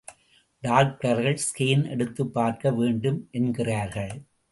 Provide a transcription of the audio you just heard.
டாக்டர்கள், ஸ்கேன் எடுத்துப் பார்க்க வேண்டும் என்கிறார்கள்.